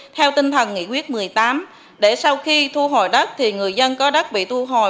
theo tinh thần nghị quyết một mươi tám để sau khi thu hồi đất thì người dân có đất bị thu hồi